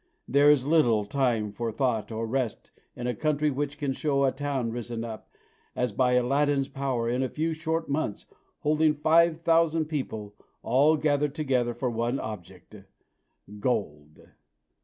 There is little time for thought or rest in a country which can show a town risen up, as by Aladdin's power, in a few short months, holding five thousand people, all gathered together for one object gold.